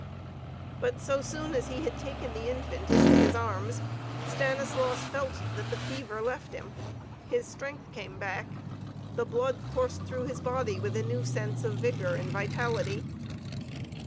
But so soon as he had taken the Infant into his arms, Stanislaus felt that the fever left him, his strength came back, the blood coursed through his body with a new sense of vigor and vitality.